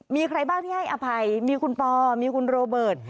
มีใครบ้างที่ให้อภัยมีคุณปอมีคุณโรเบิร์ต